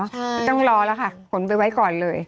ไม่ต้องรอแล้วค่ะขนไปไว้ก่อนเลย